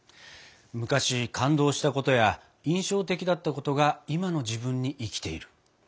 昔感動したことや印象的だったことが今の自分に生きている。